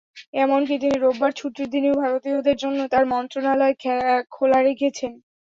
এমনকি তিনি রোববার ছুটির দিনেও ভারতীয়দের জন্য তাঁর মন্ত্রণালয় খোলা রেখেছেন।